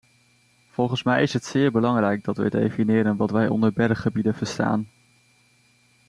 Volgens mij is het zeer belangrijk dat wij definiëren wat wij onder berggebieden verstaan.